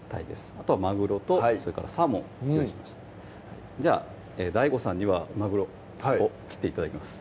あとはまぐろとそれからサーモン用意しましたじゃあＤＡＩＧＯさんにはまぐろを切って頂きます